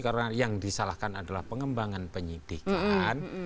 karena yang disalahkan adalah pengembangan penyidikan